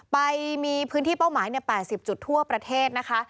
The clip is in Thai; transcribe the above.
ไปมีพื้นที่เป้าหมาย๘๐จุดทั่วประเทศนะคะ